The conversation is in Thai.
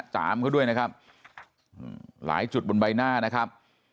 จามเขาด้วยนะครับหลายจุดบนใบหน้านะครับ